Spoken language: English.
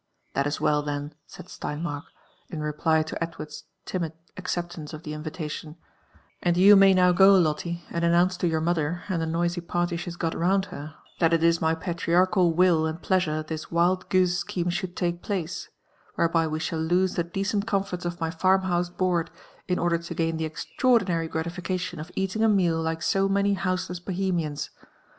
"That is well, then/' said Sleinmark, injreply to Edward's timid acceptance of the invitation ; ''and you may now go, Lptte« and an«* nounce to your mother, and the noisy party she has got round her, that it is my patriarchal ^ivill and pleasiure this wild goose scheme sliould lake place ; whereby we shall lose the decent comforts of my farm house' board, in order to gain the extraordinary gratification of eating a meal like so many houseless Bohemians.